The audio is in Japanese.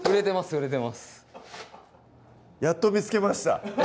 振れてますやっと見つけました